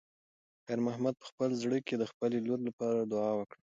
خیر محمد په خپل زړه کې د خپلې لور لپاره دعا وکړه.